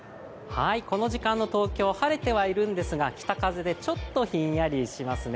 この時間の東京、晴れてはいるんですが、北風で、ちょっとひんやりしますね